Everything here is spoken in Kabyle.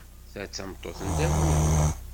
Ta d tameṭṭut n Dda Lmulud?